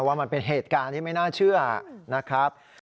ว่ามันเป็นเหตุการณ์ที่ไม่น่าเชื่อนะครับ